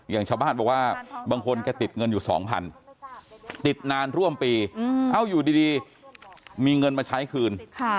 อย่างชาวบ้านบอกว่าบางคนแกติดเงินอยู่๒๐๐ติดนานร่วมปีเอ้าอยู่ดีมีเงินมาใช้คืน